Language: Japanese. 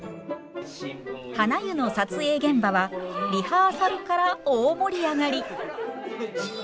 はな湯の撮影現場はリハーサルから大盛り上がり！